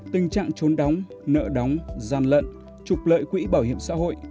tình trạng trốn đóng nợ đóng gian lận trục lợi quỹ bảo hiểm xã hội